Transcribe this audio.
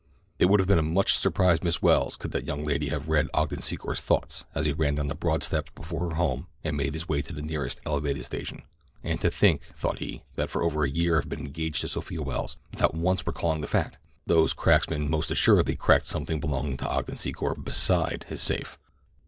It would have been a much surprised Miss Welles could that young lady have read Ogden Secor's thoughts as he ran down the broad steps before her home and made his way to the nearest elevated station. "And to think," thought he, "that for over a year I have been engaged to Sophia Welles without once recalling the fact! Those cracksmen most assuredly cracked something belonging to Ogden Secor beside his safe."